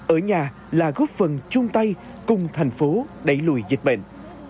ở nhà là góp phần chung tay cùng thành phố đẩy lùi dịch bệnh